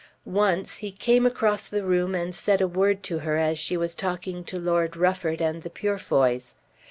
Once he came across the room and said a word to her as she was talking to Lord Rufford and the Purefoys.